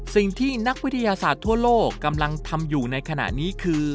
สิ่งที่นักวิทยาศาสตร์ทั่วโลกกำลังทำอยู่ในขณะนี้คือ